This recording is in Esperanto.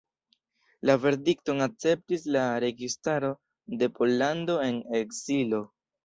La verdikton akceptis la registaro de Pollando en ekzilo.